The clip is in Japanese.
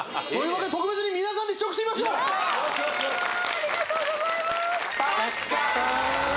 ありがとうございます・やったー！